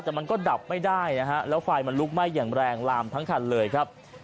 แต่มันก็ดับไม่ได้นะฮะแล้วไฟมันลุกไหม้อย่างแรงลามทั้งคันเลยครับ